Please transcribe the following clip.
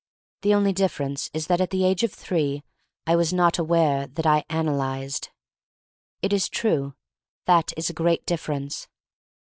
The only difference is that at the age of three I was not aware that I ana lyzed. It is true, that is a great differ ence.